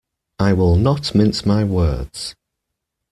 I will not mince my words.